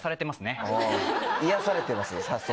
癒やされてますよ早速。